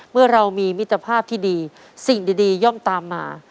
เมื่อเรามีมิตรภาพที่ดีสิ่งดีย่อมตามมา